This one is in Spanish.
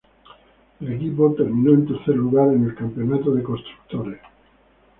El equipo terminó en tercer lugar en el campeonato de constructores.